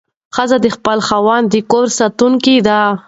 ښځه د خپل خاوند د کور ساتونکې ده.